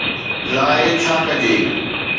لاءِ ڇا ڪجي